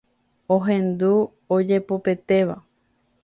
ohendu ojepopetéva.